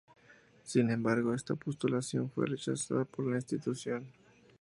Sin embargo, esta postulación fue rechazada por la institución.